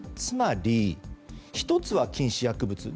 つまり、１つは禁止薬物。